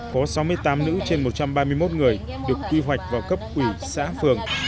có sáu mươi tám nữ trên một trăm ba mươi một người được quy hoạch vào cấp ủy xã phường